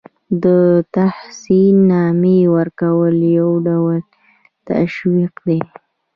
د تحسین نامې ورکول یو ډول تشویق دی.